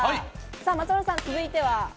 松丸さん、続いては。